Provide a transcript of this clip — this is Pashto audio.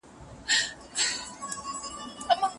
آیا زاړه ملګري تر نویو ملګرو باوري دي؟